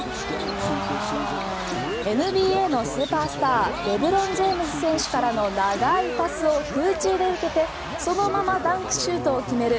ＮＢＡのスーパースターレブロン・ジェームズ選手からの長いパスを空中で受けてそのままダンクシュートを決める